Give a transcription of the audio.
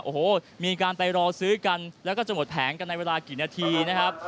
โอ้โหมีการไปรอซื้อกันแล้วก็จะหมดแผงกันในเวลากี่นาทีนะครับ